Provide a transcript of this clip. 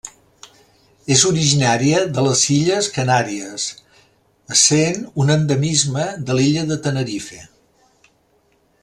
És originària de les Illes Canàries, essent un endemisme de l'illa de Tenerife.